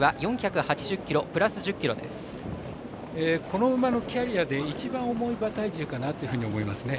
この馬のキャリアで１番重い馬体重かなと思いますね。